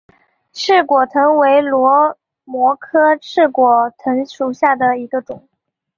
翅果藤为萝藦科翅果藤属下的一个种。